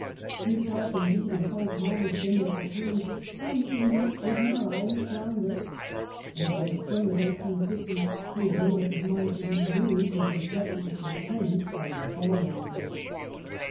He felt indeed, and told Palmei*ston, that the Queen's " uneasiness was not always groundless," and by the spring of 1850 he had made up his mind to remove his impetu ous lieutenant from the Foreign Office.